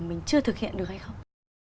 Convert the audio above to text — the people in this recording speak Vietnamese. mình chưa thực hiện được hay không